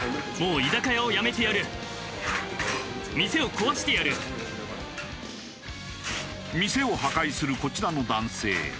そして店を破壊するこちらの男性